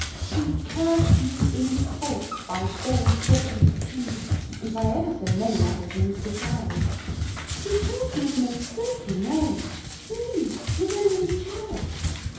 He cursed me, in default, by bell, book, and candle, and by ever so many other things beside. He called me the most dreadful names, me! his only child.